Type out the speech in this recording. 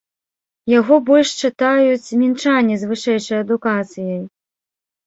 Яго больш чытаюць мінчане з вышэйшай адукацыяй.